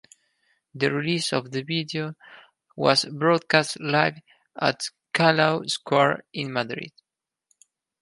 The release of the video was broadcast live at Callao Square in Madrid.